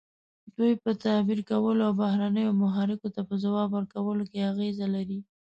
دوی په تعبیر کولو او بهرنیو محرکو ته په ځواب ورکولو کې اغیزه لري.